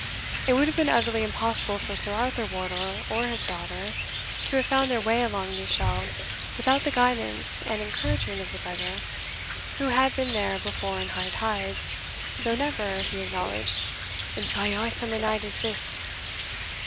It would have been utterly impossible for Sir Arthur Wardour, or his daughter, to have found their way along these shelves without the guidance and encouragement of the beggar, who had been there before in high tides, though never, he acknowledged, "in sae awsome a night as this."